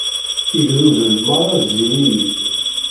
Igduden merra zzin-iyi-d.